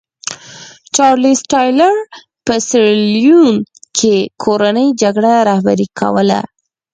چارلېز ټایلر په سیریلیون کې کورنۍ جګړه رهبري کوله.